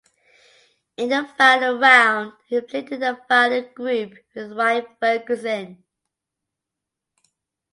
In the final round he played in the final group with Mike Ferguson.